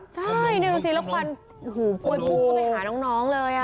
ใช่นี่ดูสิแล้วควัญหูยไปหาน้องเลยอ่ะ